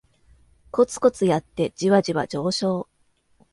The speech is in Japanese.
コツコツやってジワジワ上昇